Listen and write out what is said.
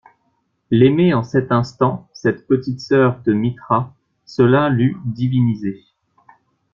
L'aimer en cet instant, cette petite sœur de Mithra, cela l'eût divinisé.